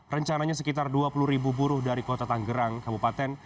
rencananya sekitar dua puluh ribu buruh dari kota tanggerang kabupaten